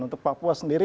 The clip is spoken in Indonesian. untuk papua sendiri